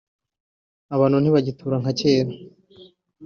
abantu ntibagitura nka mbere